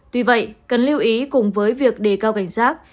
tuy vậy cần lưu ý cùng với việc đề cao cảnh giác